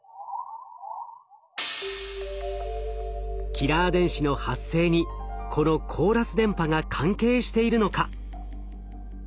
キラー電子の発生にこのコーラス電波が関係しているのか？